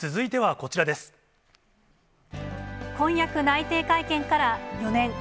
婚約内定会見から４年。